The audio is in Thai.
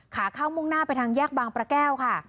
ขาเข้ามุ่งหน้าไปทางแยกบางประแก้วค่ะ